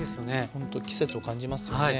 ほんと季節を感じますよね。